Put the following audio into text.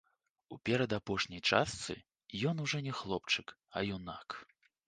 У перадапошняй частцы ён ужо не хлопчык, а юнак.